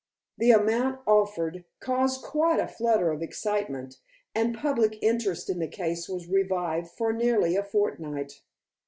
The amount offered caused quite a flutter of excitement, and public interest in the case was revived for nearly a fortnight.